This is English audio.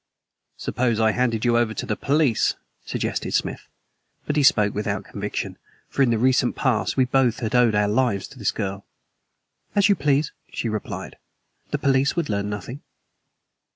"Suppose I handed you over to the police?" suggested Smith. But he spoke without conviction, for in the recent past we both had owed our lives to this girl. "As you please," she replied. "The police would learn nothing."